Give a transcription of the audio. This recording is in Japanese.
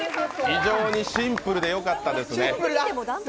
非常にシンプルでよかったですね。